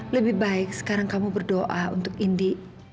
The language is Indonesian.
lebih baik sekarang kamu berdoa untuk indi